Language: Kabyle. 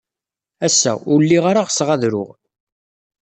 Ass-a, ur lliɣ ara ɣseɣ ad ruɣ.